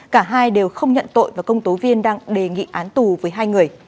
cả hai đều không nhận tội và công tố viên đang đề nghị án tù với hai người